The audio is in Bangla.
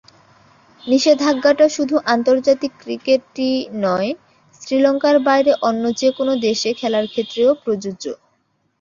নিষেধাজ্ঞাটা শুধু আন্তর্জাতিক ক্রিকেটই নয়, শ্রীলঙ্কার বাইরে অন্য যেকোনো দেশে খেলার ক্ষেত্রেও প্রযোজ্য।